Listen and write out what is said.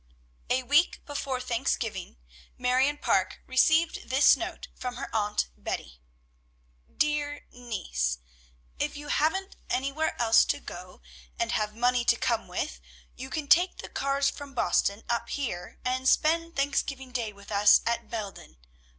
A week before Thanksgiving, Marion Parke received this note from her Aunt Betty: DEAR NIECE, If you haven't anywhere else to go, and have money to come with, you can take the cars from Boston up here and spend Thanksgiving Day with us at Belden.